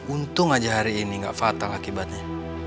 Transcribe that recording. untung aja hari ini gak fatal akibatnya